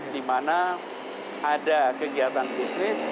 dimana ada kegiatan bisnis